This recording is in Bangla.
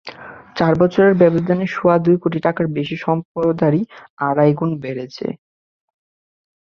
চার বছরের ব্যবধানে সোয়া দুই কোটি টাকার বেশি সম্পদধারী আড়াই গুণ বেড়েছে।